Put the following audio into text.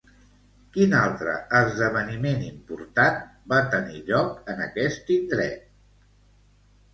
Quin altre esdeveniment important va tenir lloc en aquest indret?